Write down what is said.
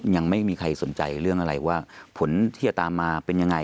ยังไม่มีใครสนใจเรื่องอะไรว่าผลที่จะตามมาเป็นยังไง